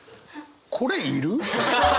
これいる？